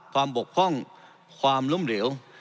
ความบกพร่องความล้มเหลี่ยว